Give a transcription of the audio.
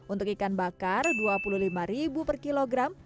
untuk ikan bakar rp dua puluh lima per kilogram